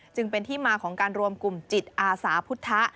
จึงเป็นที่มาของการรวมกลุ่มจิตอาสาพุทธ